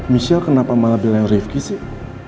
michelle kenapa malah bilang rifqi sih